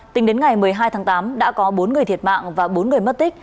tính đến ngày một mươi hai tháng tám đã có bốn người thiệt mạng và bốn người mất tích